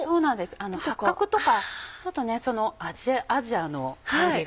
八角とかちょっとアジアの感じが。